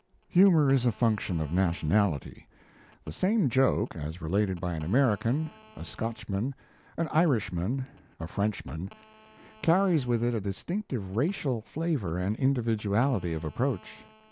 Humour is a function of nationality. The same joke, as related by an American, a Scotchman, an Irishman, a Frenchman, carries with it a distinctive racial flavour and individuality of approach.